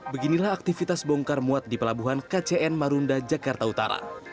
beginilah aktivitas bongkar muat di pelabuhan kcn marunda jakarta utara